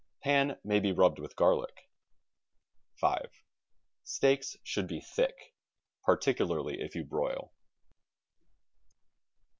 Pan may be rubbed with garlic. 5. Steaks should be thick, particularly if you broil.